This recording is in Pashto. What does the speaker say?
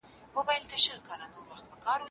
فردي څېړني باید د منظم دولتي پلان پر بنسټ ترسره سي.